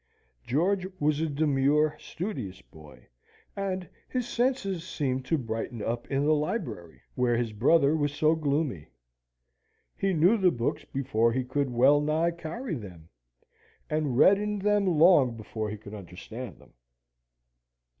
George was a demure studious boy, and his senses seemed to brighten up in the library, where his brother was so gloomy. He knew the books before he could well nigh carry them, and read in them long before he could understand them.